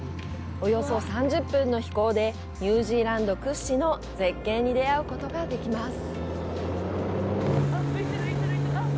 およそ３０分の飛行でニュージーランド屈指の絶景に出会うことができます。